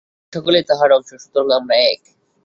আমরা সকলে তাঁহারই অংশ, সুতরাং আমরা এক।